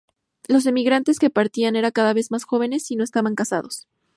Los emigrantes que partían eran cada vez más jóvenes y no estaban casados.